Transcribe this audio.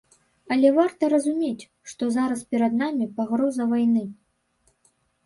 Але варта разумець, што зараз перад намі пагроза вайны.